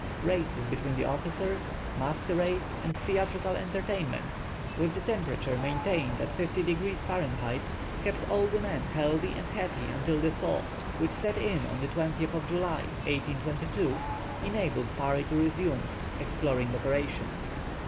Races between the officers, masquerades and theatrical entertainments, with the temperature maintained at 50 degrees Fahrenheit kept all the men healthy and happy until the thaw, which set in on the 20th July, 1825, enabled Parry to resume exploring operations.